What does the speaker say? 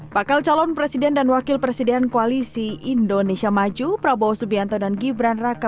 bakal calon presiden dan wakil presiden koalisi indonesia maju prabowo subianto dan gibran raka